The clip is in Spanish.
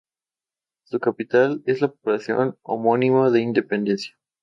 Su capital es la población homónima de Independencia.